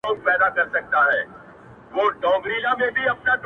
غله راغله بې ارزښته شيان يې ټول يو وړل له كوره~